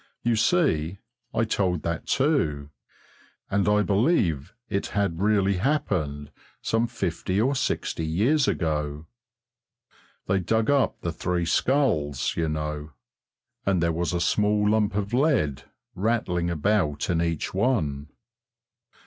You see, I told that too, and I believe it had really happened some fifty or sixty years ago. They dug up the three skulls, you know, and there was a small lump of lead rattling about in each one.